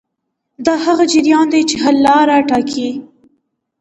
دا هغه جریان دی چې حل لاره ټاکي.